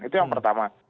itu yang pertama